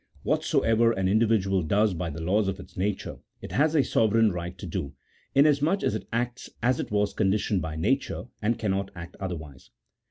What soever an individual does by the laws of its nature it has a sovereign right to do, inasmuch as it acts as it was conditioned by nature, and cannot act otherwise.